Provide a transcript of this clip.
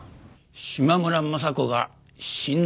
島村昌子が死んだ。